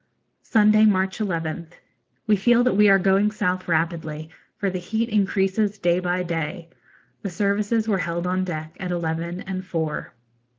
Sunday, March 11th. We feel that we are going south rapidly, for the heat increases day by day. The services were held on deck at eleven and four.